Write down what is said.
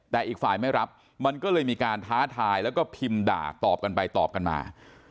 แต่อีกฝ่ายไม่รับมันก็เลยมีการท้าทายแล้วก็พิมพ์ด่าตอบกันไปตอบกันมา